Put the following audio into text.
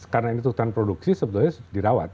karena ini hutan produksi sebetulnya dirawat